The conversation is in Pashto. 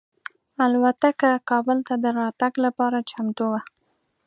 الوتکه کابل ته د راتګ لپاره چمتو وه.